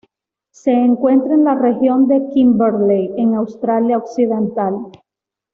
Se encuentra en la región de Kimberley en Australia Occidental.